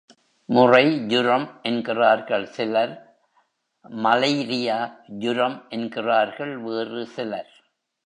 முறை ஜூரம் என்றார்கள் சிலர் மலைரியா ஜுரம் என்றார்கள் வேறு சிலர்.